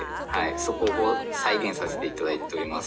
そこを再現させていただいております。